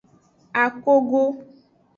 Akogo.